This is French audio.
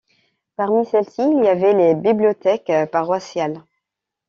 Parmi celles-ci, il y avait les bibliothèques paroissiales.